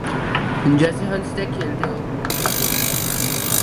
جسے ہنستے کھیلتے عبور کر کے